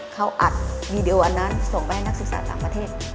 เขาอัดวีดีโออันนั้นส่งไปให้นักศึกษาต่างประเทศ